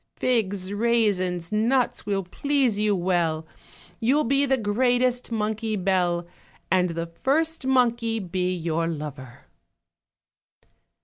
Figs, raisins, nuts will please you well, You'll be the greatest monkey belle. And the first monkey be your lorer."